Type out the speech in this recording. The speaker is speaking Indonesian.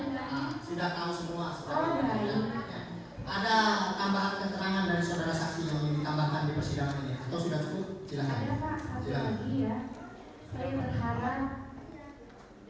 apabila yang salah apabila yang salah yang nilai yang salah